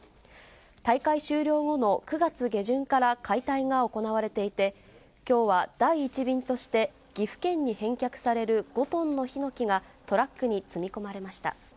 大会終了後の９月下旬から解体が行われていて、きょうは第１便として岐阜県に返却される５トンのヒノキがトラックに積み込まれました。